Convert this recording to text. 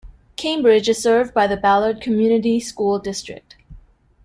Cambridge is served by the Ballard Community School District.